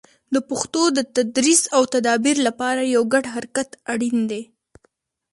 د پښتو د تدریس او تدابیر لپاره یو ګډ حرکت اړین دی.